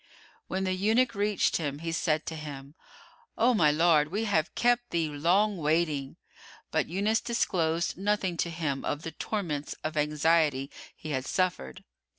When the eunuch reached him, he said to him, "O my lord, we have kept thee long waiting"; but Yunus disclosed nothing to him of the torments of anxiety he had suffered.